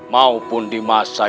maupun di masa